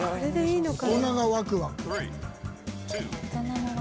大人がワクワク。